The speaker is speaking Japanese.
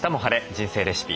人生レシピ」